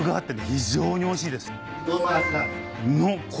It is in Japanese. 非常においしいです。